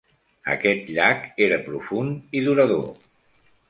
Aquest llac era profund i durador.